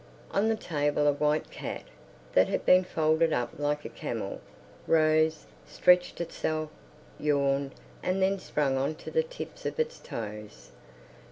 On the table a white cat, that had been folded up like a camel, rose, stretched itself, yawned, and then sprang on to the tips of its toes.